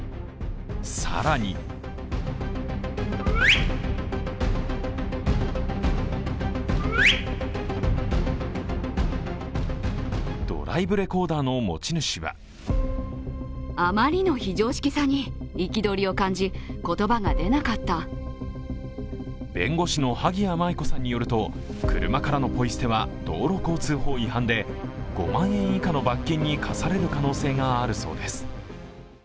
更にドライブレコーダーの持ち主は弁護士の萩谷麻衣子さんによると、車からのポイ捨ては道路交通法違反で５万円以下の罰金に科される可能性があるそうです。